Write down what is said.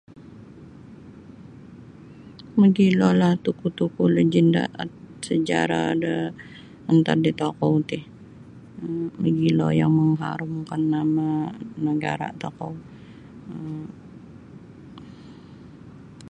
Magilo lah tokoh-tokoh lagenda sejarah da antad da tokou ti um magilo yang mengharumkan nama negara tokou um .